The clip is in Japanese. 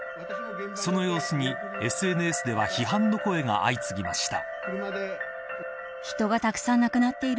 その様子に、ＳＮＳでは批判の声が相次ぎました。